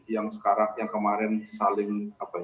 yang kemarin saling